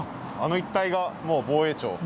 あの一帯がもう防衛庁？